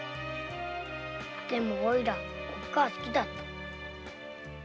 でもおっ母好きだった。